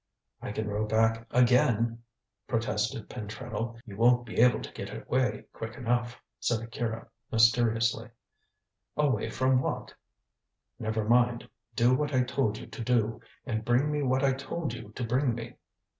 "I can row back again," protested Pentreddle. "You won't be able to get away quick enough," said Akira mysteriously. "Away from what?" "Never mind. Do what I told you to do, and bring me what I told you to bring me.